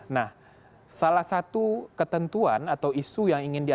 nah salah satu ketentuan atau isu yang ingin dia